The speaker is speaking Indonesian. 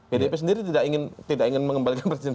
pdip sendiri tidak ingin mengembalikan presiden